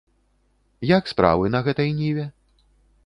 Як справы на гэтай ніве?